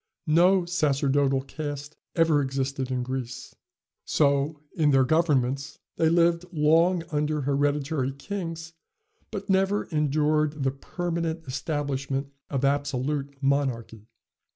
No sacerdotal caste ever existed in Greece. So, in their governments, they lived long under hereditary kings, but never endured the permanent establishment of absolute monarchy.